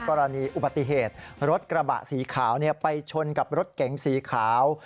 กรณีอุบัติเหตุรถกระบะสีขาวไปชนกับรถเก๋งสีขาว